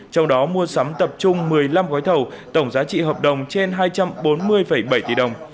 trong đó mua sắm tập trung một mươi năm gói thầu tổng giá trị hợp đồng trên hai trăm bốn mươi bảy tỷ đồng